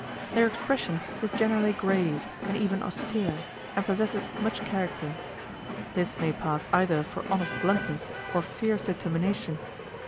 Their expression is generally grave, and even austere, and possesses much character: this may pass either for honest bluntness or fierce determination.